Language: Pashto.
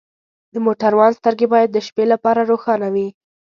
د موټروان سترګې باید د شپې لپاره روښانه وي.